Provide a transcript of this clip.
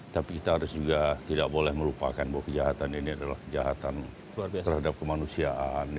tapi kita harus juga tidak boleh melupakan bahwa kejahatan ini adalah kejahatan terhadap kemanusiaan